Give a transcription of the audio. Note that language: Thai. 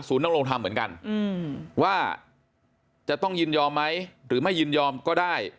นำโรงธรรมเหมือนกันว่าจะต้องยินยอมไหมหรือไม่ยินยอมก็ได้